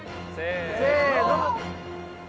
せの！